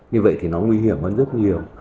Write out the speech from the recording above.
như vậy thì nó nguy hiểm hơn rất nhiều